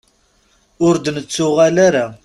Ur d-nettuɣal ara.